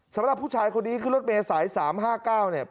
สำหรับผู้ชายคนนี้ขึ้นรถเมย์สาย๓๕๙เนี่ย